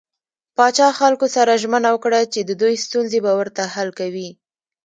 پاچا خلکو سره ژمنه وکړه چې د دوي ستونزې به ورته حل کوي .